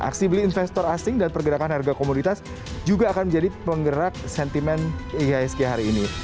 aksi beli investor asing dan pergerakan harga komoditas juga akan menjadi penggerak sentimen ihsg hari ini